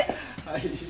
はい。